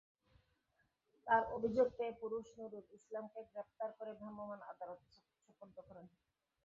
তাঁর অভিযোগ পেয়ে পুলিশ নুরুল ইসলামকে গ্রেপ্তার করে ভ্রাম্যমাণ আদালতে সোপর্দ করে।